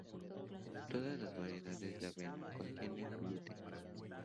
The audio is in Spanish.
Todas las variedades de avena contienen gluten.